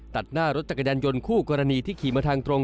ตัดหน้ารถจักรยานยนต์คู่กรณีที่ขี่มาทางตรง